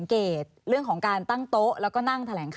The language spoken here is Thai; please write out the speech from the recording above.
คือคุณยังไง